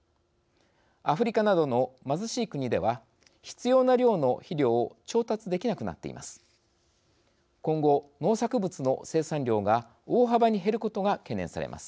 アフリカなどの貧しい国では必要な量の肥料を調達できなくなっています。